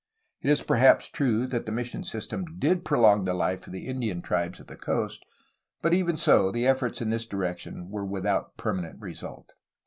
It is perhaps true that the mission system did prolong the life of the In dian tribes of the coast, but, even so, the efforts in this direction were without permanent result.